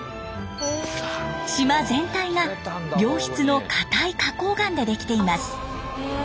島全体が良質の硬い花こう岩でできています。